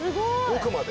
奥まで。